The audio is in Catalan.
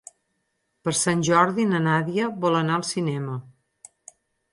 Per Sant Jordi na Nàdia vol anar al cinema.